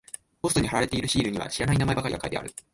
ポストに貼られているシールには知らない名前ばかりが書いてある。